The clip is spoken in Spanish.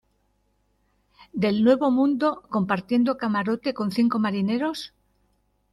del nuevo mundo compartiendo camarote con cinco marineros?